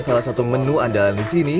salah satu menu andalan di sini